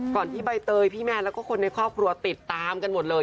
ที่ใบเตยพี่แมนแล้วก็คนในครอบครัวติดตามกันหมดเลย